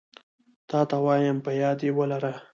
تاته وايم په ياد يي ولره